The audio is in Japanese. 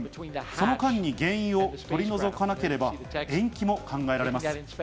その間に原因を取り除かなければ延期も考えられます。